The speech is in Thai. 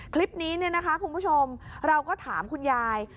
คลิปนี้แบบนี้คุณผู้ชมเราถามคุณยาย